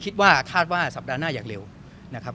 คาดว่าคาดว่าสัปดาห์หน้าอยากเร็วนะครับ